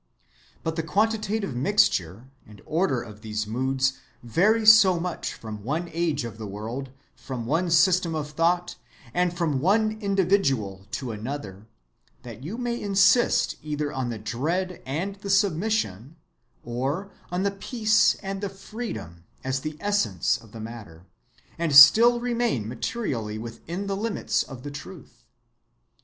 But the quantitative mixture and order of these moods vary so much from one age of the world, from one system of thought, and from one individual to another, that you may insist either on the dread and the submission, or on the peace and the freedom as the essence of the matter, and still remain materially within the limits of the truth.